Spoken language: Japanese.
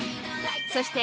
そして